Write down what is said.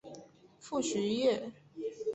父徐灏。